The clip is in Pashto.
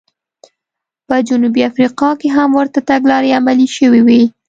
په جنوبي افریقا کې هم ورته تګلارې عملي شوې وې.